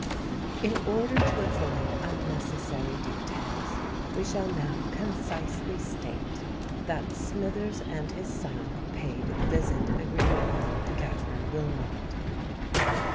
In order to avoid unnecessary details we shall now concisely state that Smithers and his son paid the visit agreed upon to Katherine Wilmot.